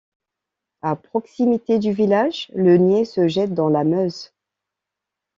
À proximité du village, le Niers se jette dans la Meuse.